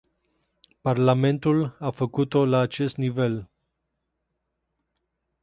Parlamentul a făcut-o la acest nivel.